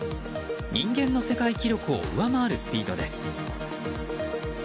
人間の世界記録を上回るスピードです。